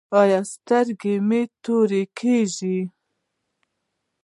ایا سترګې مو تورې کیږي؟